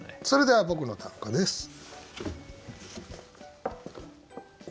それでは僕の短歌です。